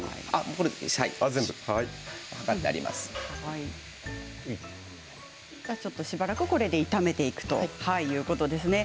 これでしばらく炒めていくということですね。